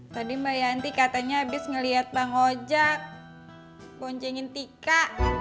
tadi mbak yanti katanya abis ngeliat mbak ngojak boncengin tika